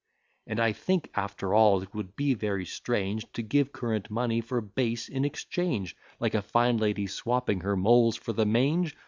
And I think, after all, it would be very strange, To give current money for base in exchange, Like a fine lady swapping her moles for the mange.